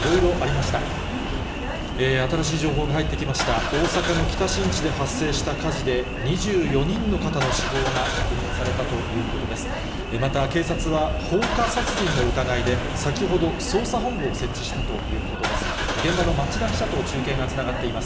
また、警察は放火殺人の疑いで、先ほど、捜査本部を設置したということです。